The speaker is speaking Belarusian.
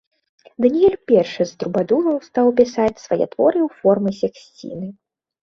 Даніэль першы з трубадураў стаў пісаць свае творы ў форме сексціны.